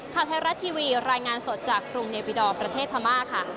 ข่าวไทยรัฐทีวีรายงานสดจากกรุงเนบิดอร์ประเทศพม่าค่ะ